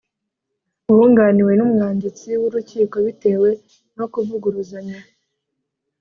Bunganiwe n’umwanditsi w’urukiko bitewe no kuvuguruzanya